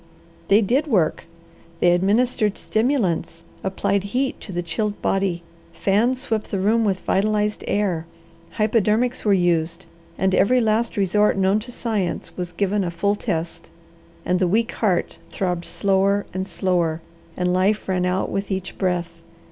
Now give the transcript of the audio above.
They did work. They administered stimulants; applied heat to the chilled body; fans swept the room with vitalized air; hypodermics were used; and every last resort known to science was given a full test, and the weak heart throbbed slower and slower, and life ran out with each breath.